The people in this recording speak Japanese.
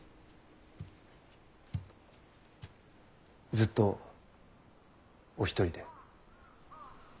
ずっとお一人で？